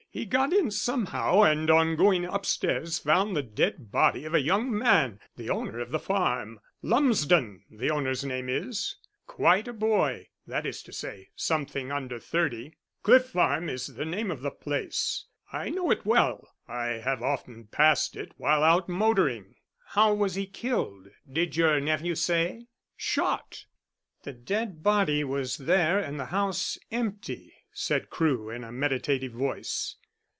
He got in somehow, and on going upstairs found the dead body of a young man the owner of the farm. Lumsden the owner's name is; quite a boy, that is to say, something under thirty. Cliff Farm is the name of the place. I know it well I have often passed it while out motoring." "How was he killed did your nephew say?" "Shot." "The dead body was there and the house empty," said Crewe, in a meditative voice.